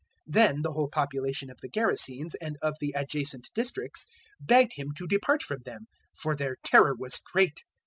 008:037 Then the whole population of the Gerasenes and of the adjacent districts begged Him to depart from them; for their terror was great.